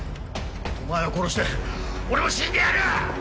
お前を殺して俺も死んでやる！